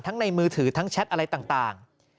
ในมือถือทั้งแชทอะไรต่าง